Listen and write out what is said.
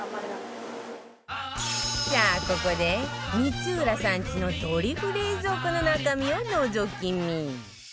さあここで光浦さんちのドリフ冷蔵庫の中身をのぞき見